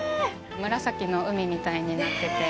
紫の海みたいになってて。